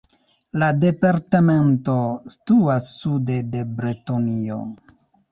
La departemento situas sude de Bretonio.